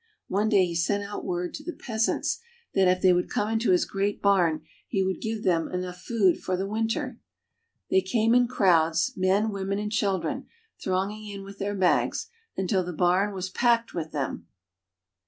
One day he sent out word to the peasants that, if they would come into his great barn, he would give them 244, GERiMANY. enough food for the winter. They came in crowds, men, women, and children, thronging in with their bags, until the barn was packed with them.